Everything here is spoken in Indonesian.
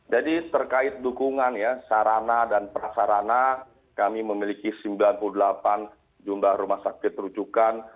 jadi terkait dukungan ya sarana dan prasarana kami memiliki sembilan puluh delapan jumlah rumah sakit rujukan